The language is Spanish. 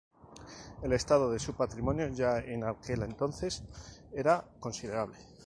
El estado de su patrimonio ya en aquel entonces era considerable.